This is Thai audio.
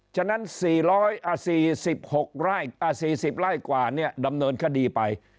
ฉะนั้น๔๖ไร่๔๐ไร่กว่าเนี่ยดำเนินคดีไป